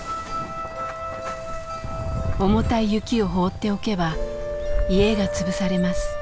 重たい雪を放っておけば家が潰されます。